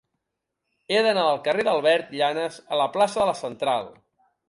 He d'anar del carrer d'Albert Llanas a la plaça de la Central.